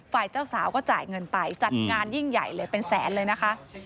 ฝ่ายเจ้าสาวก็จ่ายเงินไปจัดงานยิ่งใหญ่เลยเป็นแสนเลยนะคะ